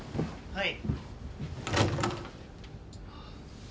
はい。